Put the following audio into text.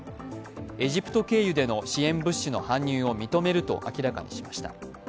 エジプト経由での支援物資の搬入を認めると明らかにしました。